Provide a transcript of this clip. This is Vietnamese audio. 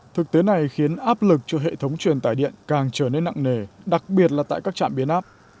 thực tế này khiến áp lực cho hệ thống truyền tải điện càng trở nên nặng nề đặc biệt là tại các trạm biến áp